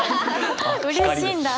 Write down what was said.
うれしいんだ？